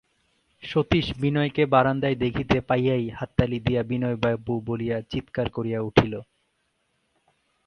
সতীশ বিনয়কে বারান্দায় দেখিতে পাইয়াই হাততালি দিয়া বিনয়বাবু বলিয়া চীৎকার করিয়া উঠিল।